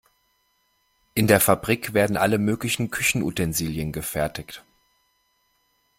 In der Fabrik werden alle möglichen Küchenutensilien gefertigt.